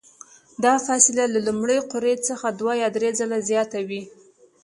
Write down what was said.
دا فاصله له لومړۍ قوریې څخه دوه یا درې ځلې زیاته وي.